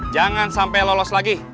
jangan sampai lolos lagi